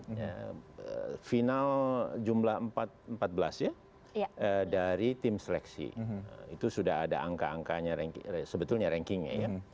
ya final jumlah empat belas ya dari tim seleksi itu sudah ada angka angkanya sebetulnya rankingnya ya